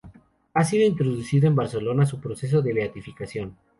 Ha sido introducido en Barcelona su proceso de beatificación.